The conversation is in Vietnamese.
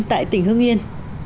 tại tỉnh hương yên